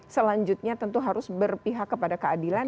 selanjutnya tentu harus berpihak kepada keadilan